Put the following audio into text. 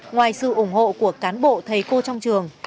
ngoài sự ủng hộ của cán bộ thầy cô trong trường